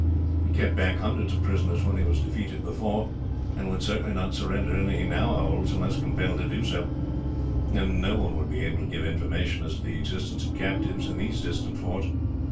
He kept back hundreds of prisoners when he was defeated before, and would certainly not surrender any he now holds, unless compelled to do so; and no one would be able to give information as to the existence of captives in these distant forts.